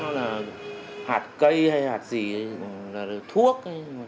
nó là hạt cây hay hạt gì là thuốc